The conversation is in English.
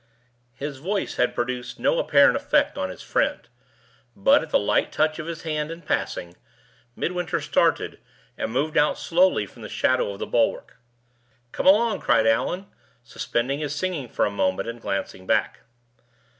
His voice had produced no apparent effect on his friend; but, at the light touch of his hand in passing, Midwinter started, and moved out slowly from the shadow of the bulwark. "Come along!" cried Allan, suspending his singing for a moment, and glancing back.